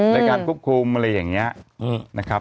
ในการควบคุมอะไรอย่างนี้นะครับ